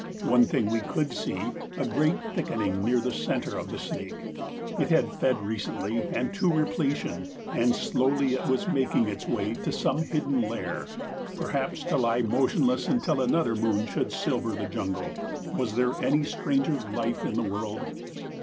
One thing we could see a great thickening near the centre of the snake: it had fed recently and to repletion, and slowly it was making its way to some hidden lair, perhaps to lie motionless until another moon should silver the jungle. Was there any stranger life in the world?